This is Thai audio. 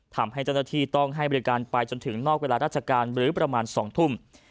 ทำให้เจ้าหน้าที่ต้องให้บริการไปจนถึงนอกเวลาราชการหรือประมาณ๒ทุ่ม